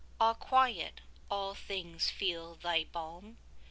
20 Ah Quiet, all things feel thy balm!